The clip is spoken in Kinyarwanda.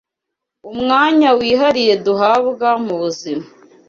Umwanya wihariye duhabwa mu buzima